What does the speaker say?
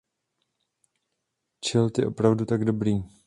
Child je opravdu tak dobrý.